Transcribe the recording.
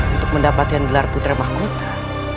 untuk mendapatkan gelar putri mahkota